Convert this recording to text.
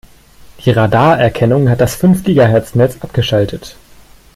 Die Radarerkennung hat das fünf Gigahertz-Netz abgeschaltet.